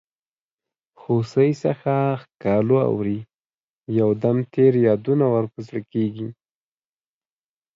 هوسۍ څه ښکالو اوري یو دم تېر یادونه ور په زړه کیږي.